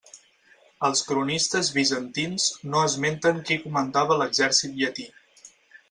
Els cronistes bizantins no esmenten qui comandava l'exèrcit llatí.